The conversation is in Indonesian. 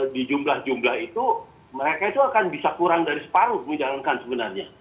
di jumlah jumlah itu mereka itu akan bisa kurang dari separuh menjalankan sebenarnya